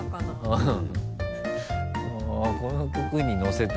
うん。